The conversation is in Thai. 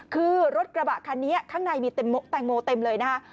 คือรถกระบะคันนี้ข้างในมีแตงโมเต็มเลยนะคะ